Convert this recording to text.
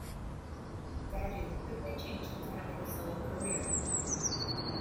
Dadoo quickly changed into having a solo career.